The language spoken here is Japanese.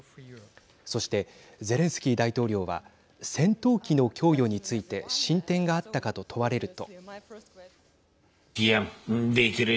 そして、ゼレンスキー大統領は戦闘機の供与について進展があったかと問われると。